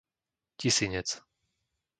Tisinec